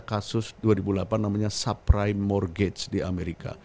kasus dua ribu delapan namanya subprime mortgage di amerika